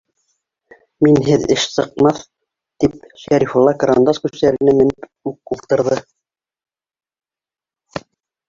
- Минһеҙ эш сыҡмаҫ, - тип, Шәрифулла кырандас күсәренә менеп үк ултырҙы.